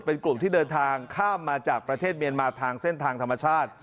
เป็นกลุ่มที่เดินทางข้ามมาจากประเทศเมียนมาทางเส้นทางธรรมชาติ